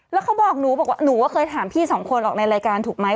แล้วเขาบอกหนูบอกว่าหนูก็เคยถามพี่สองคนออกในรายการถูกไหม